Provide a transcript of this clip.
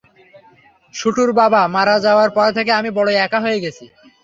শুটুর বাবা মারা যাওয়ার পর থেকে আমি বড় একা হয়ে গেছি।